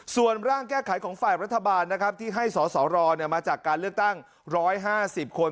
ส่วนร่างแก้ไขของฝ่ายรัฐบาลนะครับที่ให้สสรมาจากการเลือกตั้ง๑๕๐คน